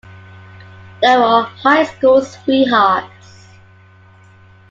They were high school sweethearts.